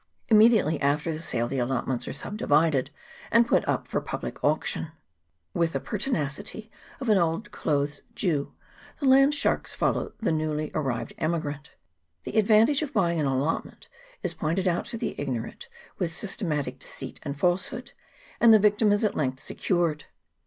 Immediately after the sale the allotments are sub divided, and put up for public auction. With the pertinacity of an old clothes Jew, the land sharks follow the newly arrived emigrant ; the advantage of buying an allotment is pointed out to the ignorant with systematic deceit and falsehood, and the victim is at length secured.